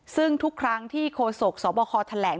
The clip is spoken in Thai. ซึ่งทุกครั้งที่โฆษกสบคแถลง